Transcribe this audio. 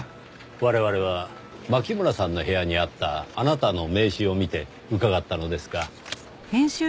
我々は牧村さんの部屋にあったあなたの名刺を見て伺ったのですが。